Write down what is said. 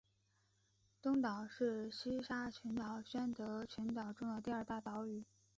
东岛是西沙群岛宣德群岛中的第二大的岛屿。